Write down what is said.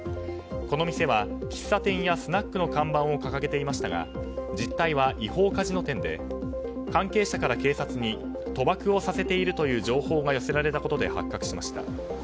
この店は、喫茶店やスナックの看板を掲げていましたが実態は違法カジノ店で関係者から警察に賭博をさせているという情報が寄せられたことで発覚しました。